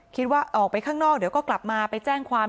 คิดว่าออกไปข้างนอกเดี๋ยวก็กลับมาไปแจ้งความ